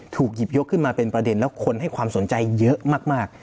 ถูกหยิบยกขึ้นมาเป็นประเด็นแล้วคนให้ความสนใจเยอะมาก